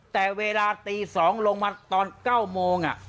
แต่เวลาตี๒ลงมาตอน๙โมง